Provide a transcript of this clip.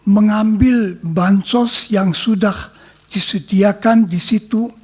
mengambil bansos yang sudah disediakan di situ